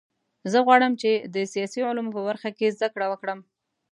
زه غواړم چې د سیاسي علومو په برخه کې زده کړه وکړم